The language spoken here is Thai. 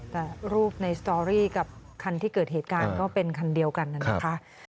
แต่รูปในสตอรี่กับคันที่เกิดเหตุการณ์ก็เป็นคันเดียวกันนะคะ